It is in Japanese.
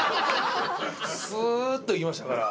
すーっといきましたから。